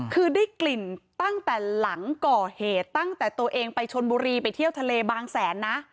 คือได้กลิ่นตั้งแต่หลังก่อเหตุตั้งแต่ตัวเองไปชนบุรีไปเที่ยวทะเลบางแสนนะ